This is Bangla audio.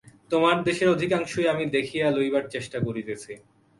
তোমাদের দেশের অধিকাংশই আমি দেখিয়া লইবার চেষ্টা করিতেছি।